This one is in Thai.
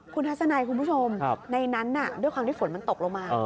คุณทัศนัยคุณผู้ชมในนั้นด้วยความที่ฝนมันตกลงมา